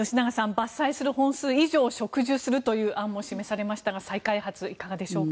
伐採する本数以上に植樹するという案も示されましたが再開発、いかがでしょうか。